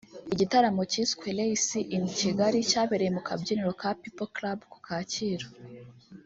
Igitaramo cyiswe ‘Ray C in Kigali’ cyabereye mu kabyiniro ka People Club ku Kacyiru